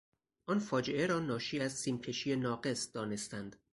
آن فاجعه را ناشی از سیمکشی ناقص دانستند.